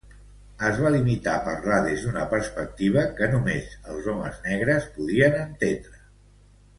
Es va limitar a parlar des d'una perspectiva que només els homes negres podien entendre.